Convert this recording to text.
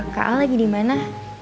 kak al lagi dimana